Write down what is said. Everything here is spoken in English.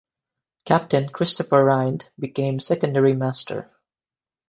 Captain Christopher Rynd became secondary master.